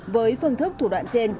với phương thức thủ đoạn trên